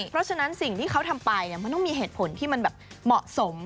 เพราะฉะนั้นสิ่งที่เขาทำไปมันต้องมีเหตุผลที่มันแบบเหมาะสม